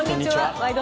「ワイド！